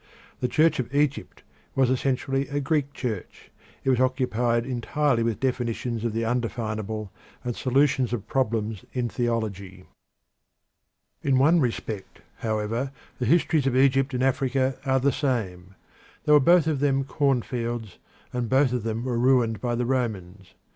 The Church of Egypt was essentially a Greek church; it was occupied entirely with definitions of the undefinable and solutions of problems in theology. In one respect, however, the histories of Egypt and Africa are the same. They were both of them cornfields, and both of them were ruined by the Romans.